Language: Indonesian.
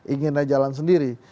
inginnya jalan sendiri